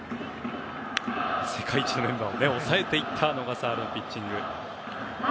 世界一のメンバーを抑えていった小笠原のピッチング。